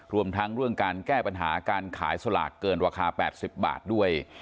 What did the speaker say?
รวมทั้งเรื่องการแก้ปัญหาการขายสลากเกินราคา๘๐บาทด้วย